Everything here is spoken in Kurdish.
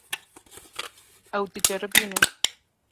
Ew diceribînin.